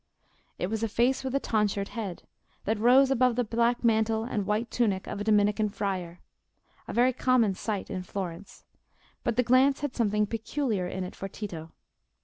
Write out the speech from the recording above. It was a face with tonsured head, that rose above the black mantle and white tunic of a Dominican friar—a very common sight in Florence; but the glance had something peculiar in it for Tito.